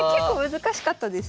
難しかったです。